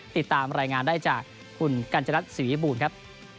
ติดตามรายงานได้จากคุณกัญจนัทศิวิญญาปูนครับ